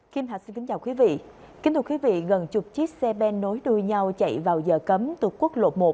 kính thưa quý vị gần chục chiếc xe ben nối đuôi nhau chạy vào giờ cấm từ quốc lộ một